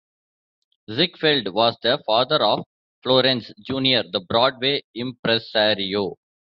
Ziegfeld was the father of Florenz Junior the Broadway impresario.